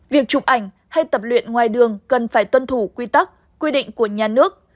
việc chụp ảnh hay tập luyện ngoài đường cần phải tuân thủ quy tắc quy định của nhà nước